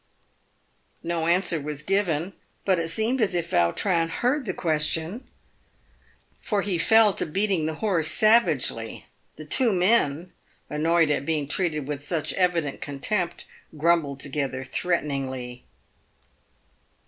"No answer was given, but it seemed as if Yautrin heard the question, for he fell to beating the horse savagely. The two men, annoyed at being treated with such evident contempt, grumbled together threateningly.